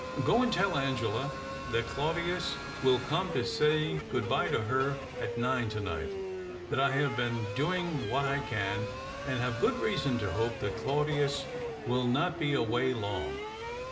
Go and tell Angela that Claudius will THE OCTAVE OF CLAUDIUS. 303 come to say good bye to her at nine to night, that I have been doing what I can, and have good reason to hope that Qaudius will not be away long."